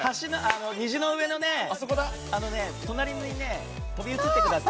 虹の上のね、隣にね飛び移ってください。